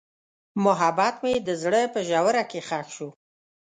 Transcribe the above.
محبت مې د زړه په ژوره کې ښخ شو.